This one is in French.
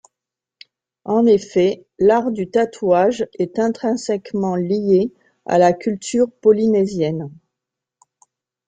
En effet l’art du tatouage est intrinsèquement lié à la culture polynésienne.